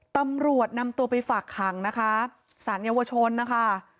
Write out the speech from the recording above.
ตำรวจนำตัวไปฝากขังนะคะสารเยาวชนนะคะ